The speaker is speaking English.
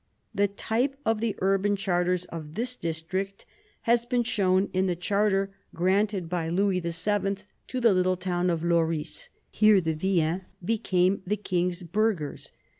The type of the urban charters of this district has been found in the charter granted by Louis VII. to the little town of Lorris. Here the villeins become the king's burghers.